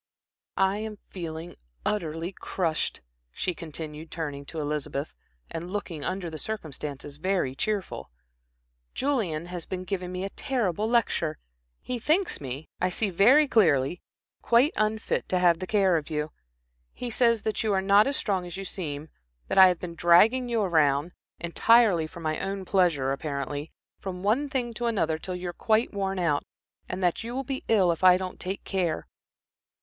"I am feeling utterly crushed," she continued, turning to Elizabeth, and looking under the circumstances, very cheerful. "Julian has been giving me a terrible lecture. He thinks me, I see very clearly, quite unfit to have the care of you. He says that you are not as strong as you seem, that I have been dragging you around entirely for my own pleasure, apparently from one thing to another till you are quite worn out, and that you will be ill if I don't take care.